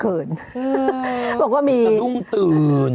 บอกว่ามีสะดุ้งตื่น